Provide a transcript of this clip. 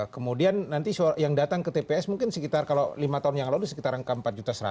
kemudian nanti yang datang ke tps mungkin sekitar kalau lima tahun yang lalu sekitar angka empat seratus